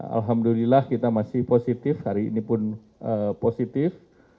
alhamdulillah kita masih positif hari ini pun positif